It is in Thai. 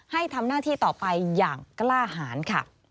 ให้ทำหน้าที่ต่อไปอย่างกล้าหารค่ะ